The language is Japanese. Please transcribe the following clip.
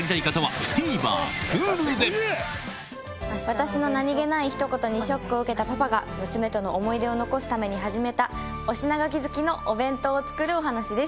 私の何げないひと言にショックを受けたパパが娘との思い出を残すために始めたお品書き付きのお弁当を作るお話です。